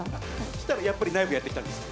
したらやっぱりナイフがやって来たんですか？